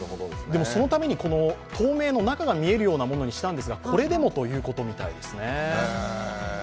そのために透明の中が見えるようなものにしたんですがこれでもということみたいですね。